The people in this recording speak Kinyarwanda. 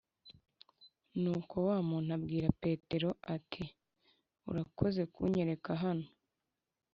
nuko wa muntu abwira petero ati:urakoze kunyereka hano,